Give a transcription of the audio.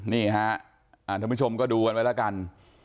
นี่ฮะท่านผู้ชมก็ดูกันไว้แล้วกัน